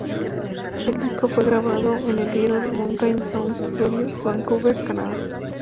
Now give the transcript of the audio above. El disco fue grabado en el Little Mountain Sound Studios, Vancouver, Canadá.